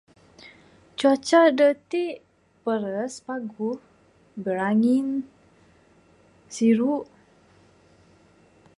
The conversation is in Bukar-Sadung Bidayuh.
Cuaca da ati paras, paguh, birangin siru.